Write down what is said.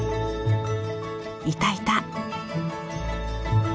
いたいた。